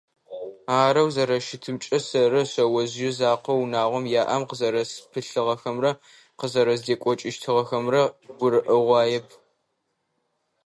Арэу зэрэщытымкӏэ, сэрэу шъэожъые закъоу унагъом яӏэм къызэрэспылъыгъэхэмрэ къызэрэздекӏокӏыщтыгъэхэмрэ гурыӏогъуаеп.